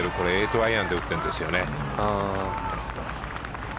アイアンで打っているんですよね。